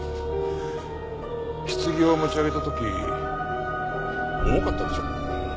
棺を持ち上げた時重かったでしょ？